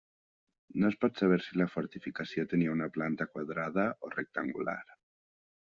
No es pot saber si la fortificació tenia una planta quadrada o rectangular.